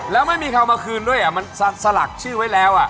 แล้วไม่มีเขาเอามาคืนด้วยมันสลักชื่อไว้แล้ว